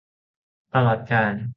ตลอดกาล